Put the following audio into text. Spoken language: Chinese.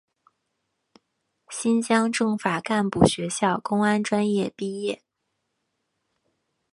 新疆政法干部学校公安专业毕业。